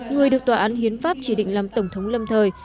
người được tòa án hiến pháp chỉ định làm tổng thống lâm thời